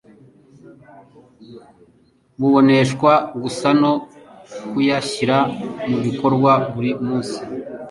buboneshwa gusa no kuyashyira mu bikorwa buri munsi.